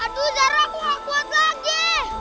aduh zara aku gak kuat lagi